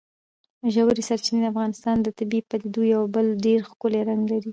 ژورې سرچینې د افغانستان د طبیعي پدیدو یو بل ډېر ښکلی رنګ دی.